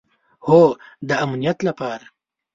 هو، د امنیت لپاره